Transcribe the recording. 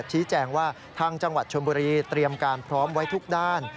ชี้แจงว่าทางจังหวัดชนบุรีเตรียมการพร้อมไว้ทุกด้าน